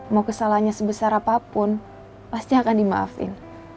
mau kesalahannya sebesar apapun pasti akan dimaafin